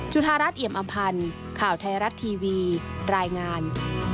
ธารัฐเอี่ยมอำพันธ์ข่าวไทยรัฐทีวีรายงาน